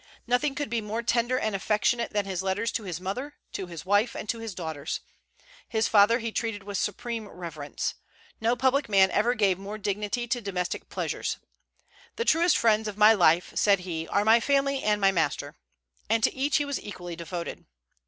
Nothing could be more tender and affectionate than his letters to his mother, to his wife, and to his daughters. His father he treated with supreme reverence. No public man ever gave more dignity to domestic pleasures. "The truest friends of my life," said he, "are my family and my master;" and to each he was equally devoted.